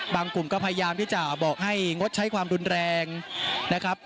กลุ่มก็พยายามที่จะบอกให้งดใช้ความรุนแรงนะครับ